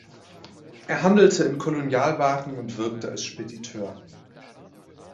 Er handelte in Kolonialwaren und wirkte als Spediteur.